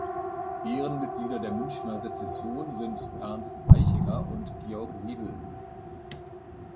Ehrenmitglieder der Münchener Secession sind Ernst Eichinger und Georg Riedl.